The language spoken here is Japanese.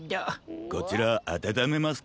こちらあたためますか？